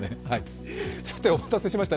お待たせしました。